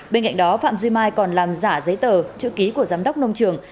bên cạnh đó phạm duy mai còn làm giả giấy tờ chữ ký của giám đốc nông trường